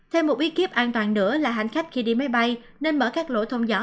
thêm một ekip an toàn nữa là hành khách khi đi máy bay nên mở các lỗ thông gió